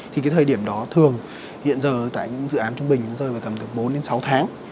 thì cái thời điểm đó thường hiện giờ tại những dự án trung bình rơi vào tầm bốn sáu tháng